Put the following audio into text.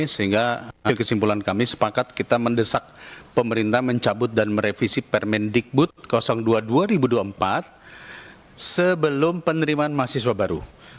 sehingga kesimpulan kami sepakat kita mendesak pemerintah mencabut dan merevisi permendikbud dua dua ribu dua puluh empat sebelum penerimaan mahasiswa baru